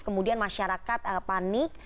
kemudian masyarakat panik